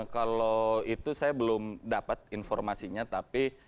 kalau itu saya belum dapat informasinya tapi